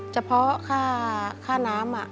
เฉพาะค่าน้ำ